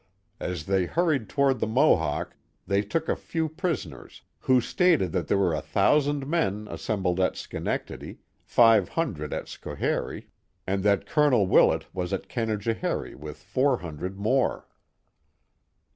As they hurried toward the Mohawk they took a few prisoners, who Stated that there were a thousand men assembled at Schenectady, five hundred at Schoharie, and that Col. Willeit was at Canajoharie with four hunilted more.